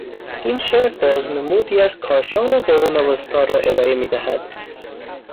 این شعر بازنمودی از کاشان قرون وسطی را ارائه میدهد.